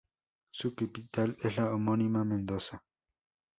Su capital es la homónima Mendoza.